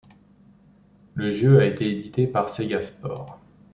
Le jeu a été édité par Sega Sports.